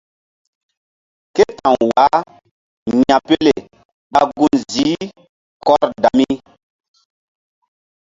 Ké ta̧w wah ya̧pele ɓa gun ziih Kordami.